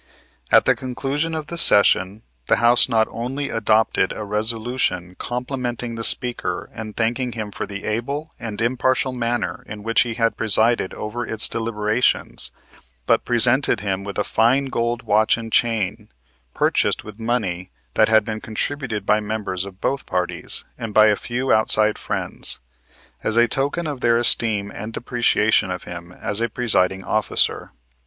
At the conclusion of the session, the House not only adopted a resolution complimenting the Speaker and thanking him for the able and impartial manner in which he had presided over its deliberations, but presented him with a fine gold watch and chain, purchased with money that had been contributed by members of both parties and by a few outside friends, as a token of their esteem and appreciation of him as a presiding officer.